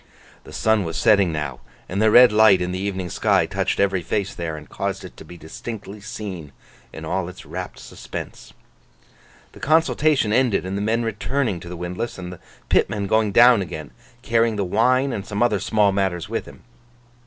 The sun was setting now; and the red light in the evening sky touched every face there, and caused it to be distinctly seen in all its rapt suspense. The consultation ended in the men returning to the windlass, and the pitman going down again, carrying the wine and some other small matters with him.